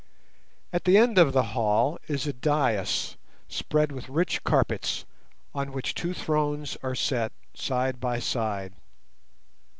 At the end of the hall is a dais spread with rich carpets, on which two thrones are set side by side.